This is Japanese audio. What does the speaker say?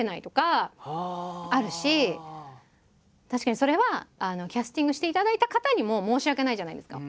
確かにそれはキャスティングしていただいた方にも申し訳ないじゃないですか。